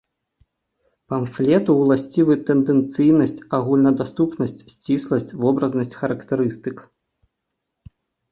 Памфлету ўласцівы тэндэнцыйнасць, агульнадаступнасць, сцісласць, вобразнасць характарыстык.